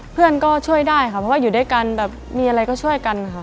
เพื่อนก็ช่วยได้ค่ะเพราะว่าอยู่ด้วยกันแบบมีอะไรก็ช่วยกันค่ะ